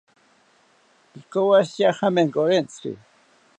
Pikawoshitya jamenkorentziki